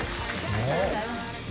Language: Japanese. ありがとうございます。